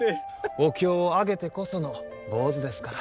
お経をあげてこその坊主ですから。